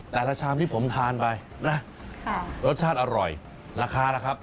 ชามที่ผมทานไปนะรสชาติอร่อยราคาล่ะครับ